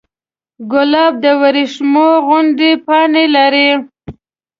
ګلاب د وریښمو غوندې پاڼې لري.